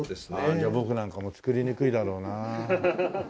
じゃあ僕なんかも作りにくいだろうな。